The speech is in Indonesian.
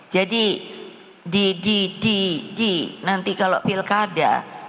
jadi di di di di nanti kalau pilkada